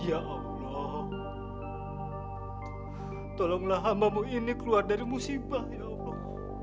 ya allah tolonglah hamamu ini keluar dari musibah ya allah